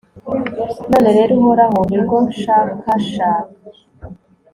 none rero, uhoraho, ni rwo nshakashaka